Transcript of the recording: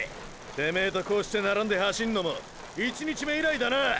てめェとこうして並んで走んのも１日目以来だな！